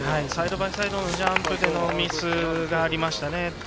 サイドバイサイドでのジャンプのミスがありましたね。